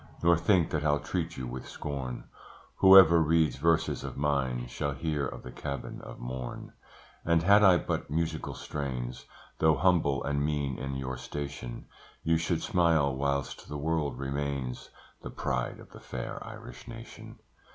Nor think that I'll treat you with scorn; Whoever reads verses of mine Shall hear of the Cabin of Mourne; And had I but musical strains, Though humble and mean in your station You should smile whilst the world remains, The pride of the fair Irish Nation.